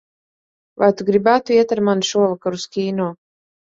Vai tu gribētu iet ar mani šovakar uz kino?